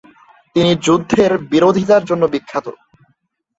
তিনি যুদ্ধের বিরোধিতার জন্য বিখ্যাত।